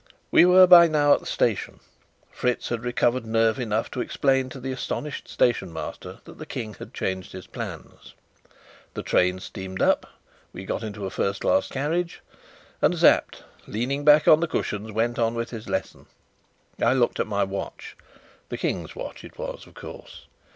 We were by now at the station. Fritz had recovered nerve enough to explain to the astonished station master that the King had changed his plans. The train steamed up. We got into a first class carriage, and Sapt, leaning back on the cushions, went on with his lesson. I looked at my watch the King's watch it was, of course.